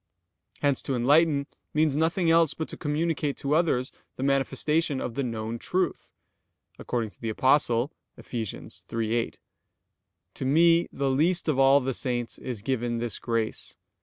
Hence to enlighten means nothing else but to communicate to others the manifestation of the known truth; according to the Apostle (Eph. 3:8): "To me the least of all the saints is given this grace